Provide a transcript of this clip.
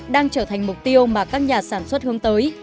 đang trở thành mục tiêu mà các nhà sản xuất hướng tới